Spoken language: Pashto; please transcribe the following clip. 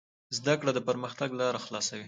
زده کړه د پرمختګ لاره خلاصوي.